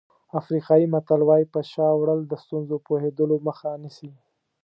افریقایي متل وایي په شا وړل د ستونزو پوهېدلو مخه نیسي.